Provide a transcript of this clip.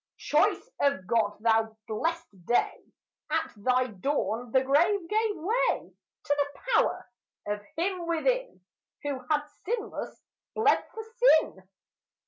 Choice of God, thou blessed day! At thy dawn the grave gave way To the power of him within, Who had, sinless, bled for sin.